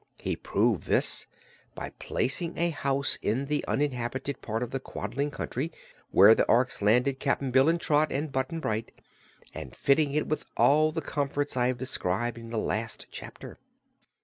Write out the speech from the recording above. He proved this by placing a house in the uninhabited part of the Quadling Country where the Orks landed Cap'n Bill and Trot and Button Bright, and fitting it with all the comforts I have described in the last chapter.